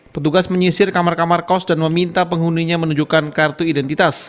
petugas menyisir kamar kamar kos dan meminta penghuninya menunjukkan kartu identitas